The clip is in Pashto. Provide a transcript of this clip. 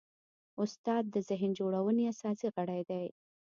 استاد د ذهن جوړونې اساسي غړی دی.